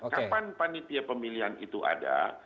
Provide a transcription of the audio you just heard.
kapan panitia pemilihan itu ada